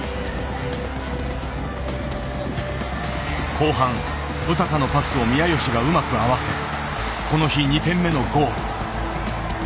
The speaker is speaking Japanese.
後半ウタカのパスを宮吉がうまく合わせこの日２点目のゴール。